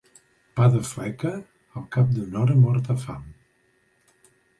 Pa de fleca, al cap d'una hora mort de fam.